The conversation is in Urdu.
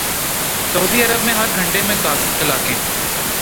سعودی عرب میں ہر گھنٹے میں طلاقیں